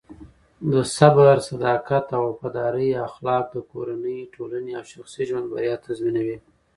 د صبر، صداقت او وفادارۍ اخلاق د کورنۍ، ټولنې او شخصي ژوند بریا تضمینوي.